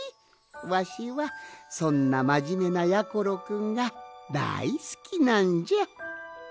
わしはそんなまじめなやころくんがだいすきなんじゃ。